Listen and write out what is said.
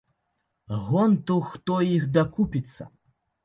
Гонтаў хто іх дакупіцца.